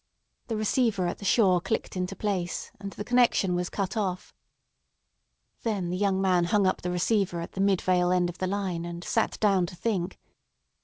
The receiver at the shore clicked into place, and the connection was cut off. Then the young man hung up the receiver at the Midvale end of the line, and sat down to think.